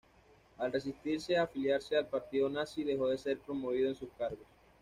Al resistirse a afiliarse al Partido Nazi dejó de ser promovido en sus cargos.